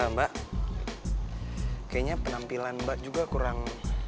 mbak kayaknya penampilan mbak juga kurang